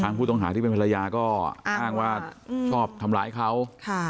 ผู้ต้องหาที่เป็นภรรยาก็อ้างว่าชอบทำร้ายเขาค่ะ